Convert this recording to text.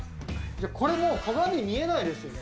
これもう、鏡見えないですよね。